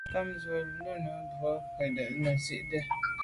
Tɑ́mə̀ zə ù lɛ̌nə́ yù môndzə̀ ú rə̌ nə̀ zí’də́.